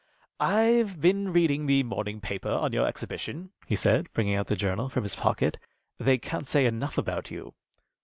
"I've been reading the morning paper on your exhibition," he said, bringing out the journal from his pocket. "They can't say enough about you."